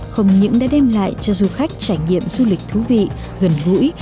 không những đã đem lại cho du khách trải nghiệm du lịch thú vị gần gũi